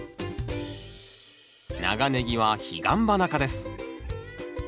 長ネギはヒガンバナ科です。